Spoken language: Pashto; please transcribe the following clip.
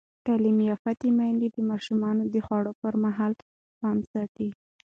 تعلیم یافته میندې د ماشومانو د خوړو پر مهال پام ساتي.